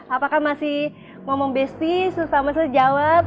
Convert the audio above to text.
apakah masih ngomong besti sama sejawat